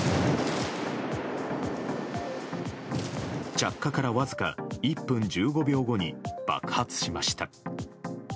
着火から、わずか１分１５秒後に爆発しました。